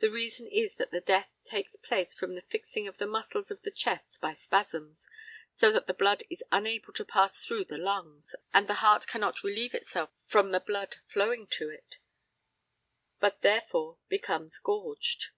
The reason is that the death takes place from the fixing of the muscles of the chest by spasms, so that the blood is unable to pass through the lungs, and the heart cannot relieve itself from the blood flowing to it, but therefore becomes gorged.